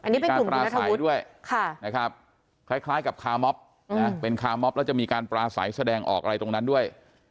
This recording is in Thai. มีการปลาใสด้วยนะครับคล้ายกับคาม็อบนะเป็นคาม็อบแล้วจะมีการปลาใสแสดงออกอะไรตรงนั้นด้วย